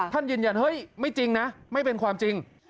ท่านยืนยันเฮ้ยไม่จริงนะไม่เป็นความจริง